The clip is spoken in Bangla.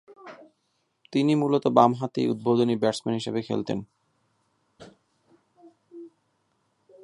তিনি মূলতঃ বামহাতি উদ্বোধনী ব্যাটসম্যান হিসেবে খেলতেন।